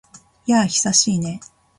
やあ、久しいね。